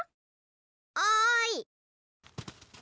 おい！